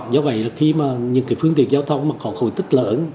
do vậy là khi mà những cái phương tiện giao thông mà có khối tích lớn